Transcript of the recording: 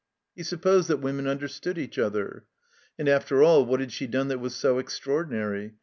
He supposed that women understood each other. And after all what had she done that was so extraordinary?